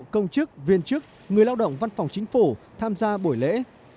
công chức viên chức người lao động văn phòng chính phủ tham gia buổi lễ